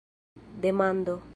demando